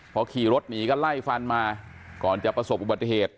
พอขี่รถหนีก็ไล่ฟันมาก่อนจะประสบอุบัติเหตุ